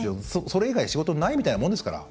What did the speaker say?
それ以外仕事ないみたいなもんですから。